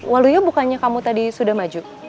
walu ya bukannya kamu tadi sudah maju